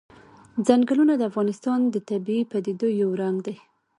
ځنګلونه د افغانستان د طبیعي پدیدو یو رنګ دی.